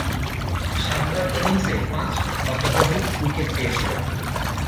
সাতবার ইনিংসে পাঁচ বা ততোধিক উইকেট পেয়েছিলেন।